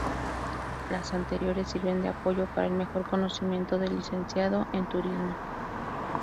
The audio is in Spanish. Las anteriores sirven de apoyo para el mejor conocimiento del Licenciado en Turismo.